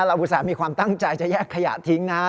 อุตส่าห์มีความตั้งใจจะแยกขยะทิ้งนะ